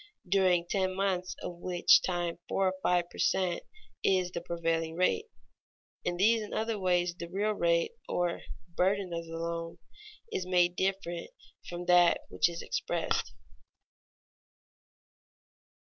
during ten months of which time four or five per cent, is the prevailing rate. In these and other ways the real rate, or burden of the loan, is made different from that which is expressed.